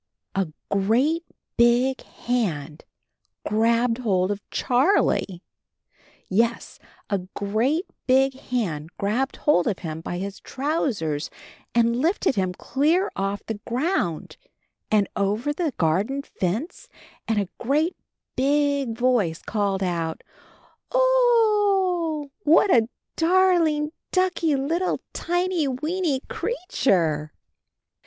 A great big hand grabbed hold of Charlie! Yes, a great big hand grabbed hold of him by his trousers and lifted him clear off the ground and over the garden fence and a great BIG voice called out, "0 o o o eee! What a darling, ducky, little tiny, weeny creature